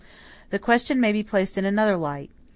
"This question may be placed in another light.